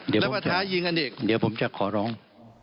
เดี๋ยวผมจะขอร้อง